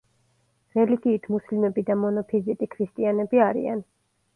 რელიგიით მუსლიმები და მონოფიზიტი ქრისტიანები არიან.